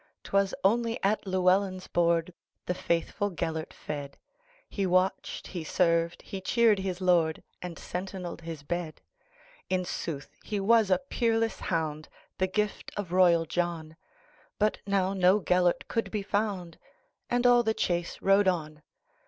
'T was only at Llewelyn's boardThe faithful Gêlert fed; He watched, he served, he cheered his lord, And sentineled his bed.In sooth he was a peerless hound, The gift of royal John; But now no Gêlert could be found, And all the chase rode on.